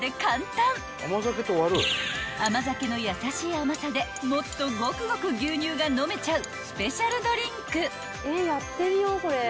［甘酒の優しい甘さでもっとゴクゴク牛乳が飲めちゃうスペシャルドリンク］